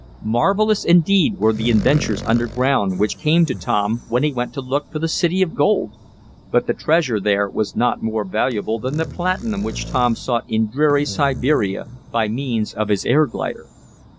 Marvelous, indeed, were the adventures underground, which came to Tom when he went to look for the city of gold, but the treasure there was not more valuable than the platinum which Tom sought in dreary Siberia by means of his air glider.